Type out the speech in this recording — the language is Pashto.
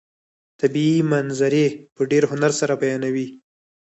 طبیعي منظرې په ډېر هنر سره بیانوي.